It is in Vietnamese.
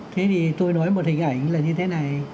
thế thì tôi nói một hình ảnh là như thế này